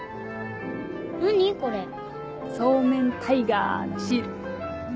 そうめんタイガーのシール。